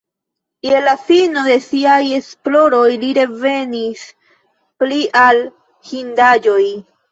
Je la fino de siaj esploradoj li revenis pli al hindaĵoj.